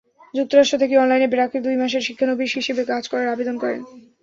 যুক্তরাষ্ট্র থেকেই অনলাইনে ব্র্যাকে দুই মাসের শিক্ষানবিশ হিসেবে কাজ করার আবেদন করেন।